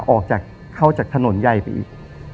ออกจากเข้าจากถนนใหญ่ไปอีก